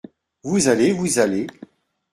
Vous allez ! vous allez !